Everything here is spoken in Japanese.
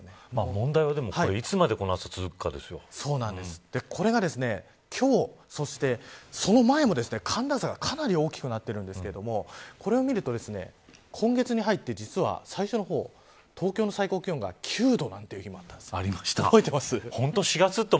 問題は、いつまでこれが今日そして、その前も寒暖差がかなり大きくなってるんですけれどもこれを見ると、今月に入って実は最初の方東京の最高気温が９度なんていう日もありました。